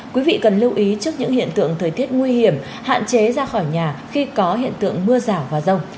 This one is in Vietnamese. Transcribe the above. quý vị cần lưu ý trước những hiện tượng thời tiết nguy hiểm hạn chế ra khỏi nhà khi có hiện tượng mưa rào và rông